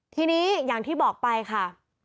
ทีนี้อย่างที่บอกไปค่ะ